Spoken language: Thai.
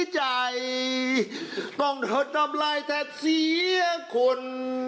ใจต้องโดนทำร้ายแต่เสียคน